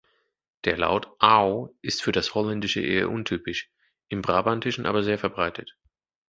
Der Laut "ao" ist für das Holländische eher untypisch, im Brabantischen aber sehr verbreitet.